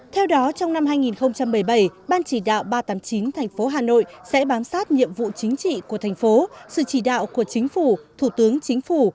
theo đó trong năm hai nghìn một mươi bảy ban chỉ đạo ba trăm tám mươi chín tp hà nội sẽ bám sát nhiệm vụ chính trị của thành phố sự chỉ đạo của chính phủ thủ tướng chính phủ